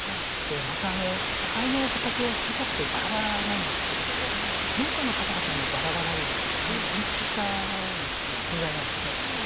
また、都会の畑は小さくてバラバラなんですけれども農家の方々もバラバラで孤立した存在なんですね。